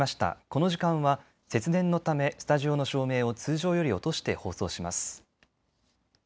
この時間は節電のためスタジオの照明を通常より落として放送します。